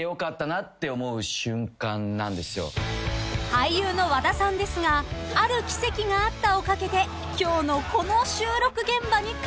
［俳優の和田さんですがある奇跡があったおかげで今日のこの収録現場に感動しているそうで］